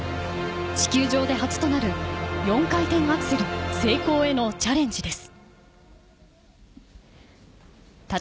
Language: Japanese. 地球上で初となる４回転アクセル成功へのチャレンジです。